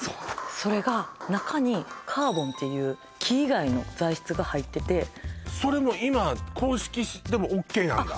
それが中にカーボンっていう木以外の材質が入っててそれも今公式でもＯＫなんだ？